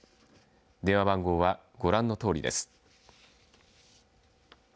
電話番号は、ご覧のとおりです。